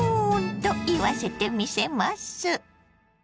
と言わせてみせます。